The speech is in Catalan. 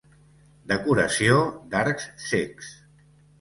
Decoració d'arcs cecs.